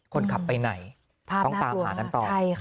คนขับไปไหนต้องตามหากันต่อ